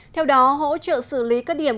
theo đó hỗ trợ xử lý các điểm